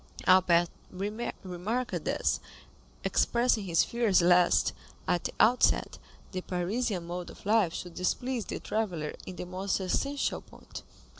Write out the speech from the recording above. Albert remarked this, expressing his fears lest, at the outset, the Parisian mode of life should displease the traveller in the most essential point.